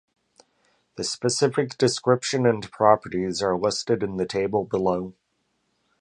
The specific description and properties are listed in the table below.